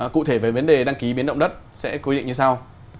cụ thể về vấn đề đăng ký biến động đất sẽ quy định như sau